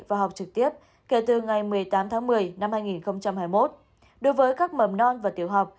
và học trực tiếp kể từ ngày một mươi tám tháng một mươi năm hai nghìn hai mươi một đối với các mầm non và tiểu học